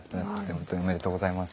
ほんとにおめでとうございます。